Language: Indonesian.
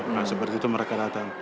nah seperti itu mereka datang